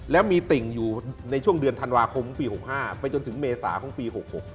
แล้วมีติ่งอยู่ในช่วงเดือนธันวาคมปี๖๕ไปจนถึงเมษาของปี๖๖